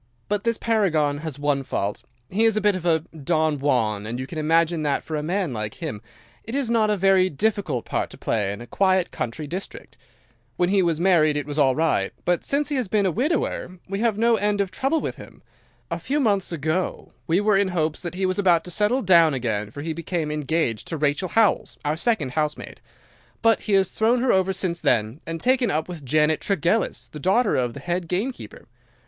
"'But this paragon has one fault. He is a bit of a Don Juan, and you can imagine that for a man like him it is not a very difficult part to play in a quiet country district. When he was married it was all right, but since he has been a widower we have had no end of trouble with him. A few months ago we were in hopes that he was about to settle down again for he became engaged to Rachel Howells, our second housemaid; but he has thrown her over since then and taken up with Janet Tregellis, the daughter of the head gamekeeper.